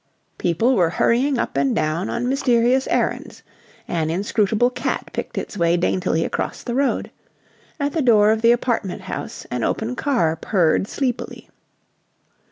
People were hurrying up and down on mysterious errands. An inscrutable cat picked its way daintily across the road. At the door of the apartment house an open car purred sleepily.